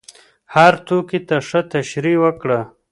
هر توکي ته ښه تشریح وکړه.